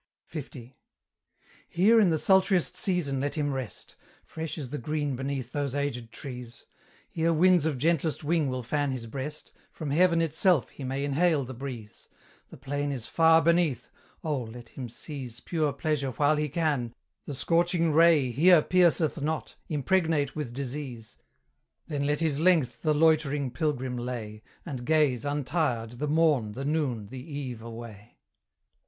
L. Here in the sultriest season let him rest, Fresh is the green beneath those aged trees; Here winds of gentlest wing will fan his breast, From heaven itself he may inhale the breeze: The plain is far beneath oh! let him seize Pure pleasure while he can; the scorching ray Here pierceth not, impregnate with disease: Then let his length the loitering pilgrim lay, And gaze, untired, the morn, the noon, the eve away.